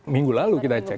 minggu lalu kita cek